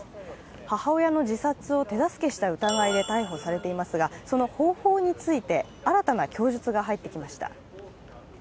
母親の自殺を手助けした疑いで逮捕されていますが、その方法について新たな供述が入ってきました。